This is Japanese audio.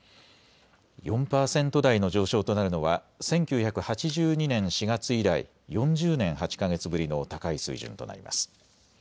４％台の上昇となるのは１９８２年４月以来、４０年８か月ぶりの高い水準となります。